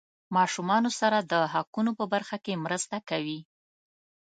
ماشومانو سره د حقوقو په برخه کې مرسته کوي.